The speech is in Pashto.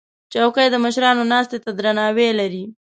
چوکۍ د مشرانو ناستې ته درناوی لري.